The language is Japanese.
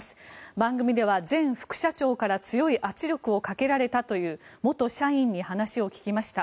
番組では前副社長から強い圧力をかけられたという元社員に話を聞きました。